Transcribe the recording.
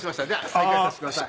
再開させてください。